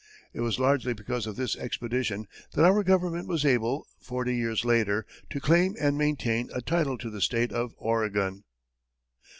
It was largely because of this expedition that our government was able, forty years later, to claim and maintain a title to the state of Oregon.